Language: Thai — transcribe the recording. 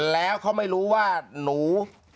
แล้วเขาไม่รู้ว่าหนู